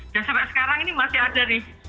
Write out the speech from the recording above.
dan sampai sekarang ini masih ada nih